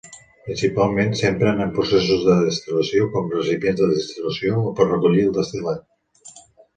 Principalment s'empren en processos de destil·lació com recipients de destil·lació o per recollir el destil·lat.